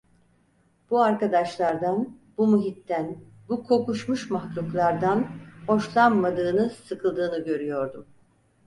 Bu arkadaşlardan, bu muhitten, bu kokuşmuş mahluklardan hoşlanmadığını, sıkıldığını görüyordum.